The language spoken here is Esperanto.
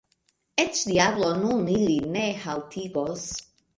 Eĉ diablo nun ilin ne haltigos.